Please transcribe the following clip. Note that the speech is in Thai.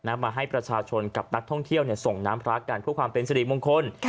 มาให้ประชาชนกับนักท่องเที่ยวส่งน้ำพระกันเพื่อความเป็นสิริมงคล